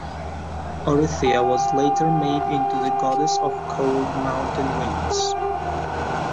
Orithyia was later made into the goddess of cold mountain winds.